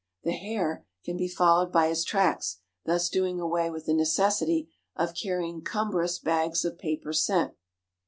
The "hare" can be followed by his tracks, thus doing away with the necessity of carrying cumbrous bags of paper "scent."